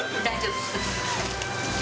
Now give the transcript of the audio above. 大丈夫。